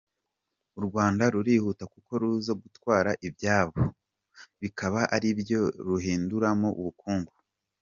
u Rwanda rurihuta kuko ruza gutwara ibyabo , bikaba ari byo ruhinduramo ubukungu.